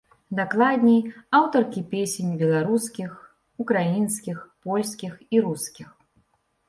Дакладней, аўтаркі песень, беларускіх, украінскіх, польскіх і рускіх.